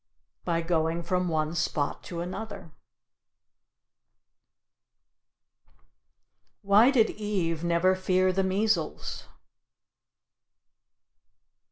By going from one spot to another. Why did Eve never fear the measles?